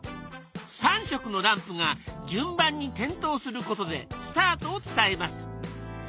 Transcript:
３色のランプが順番に点灯することでスタートを伝えます。